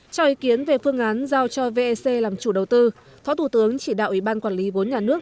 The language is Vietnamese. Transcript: cho ý kiến về phương án giao cho vec làm chủ đầu tư thó thủ tướng chỉ đạo ủy ban quản lý vốn nhà nước